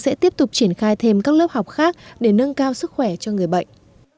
sẽ tiếp tục triển khai thêm các lớp học khác để nâng cao sức khỏe cho người bệnh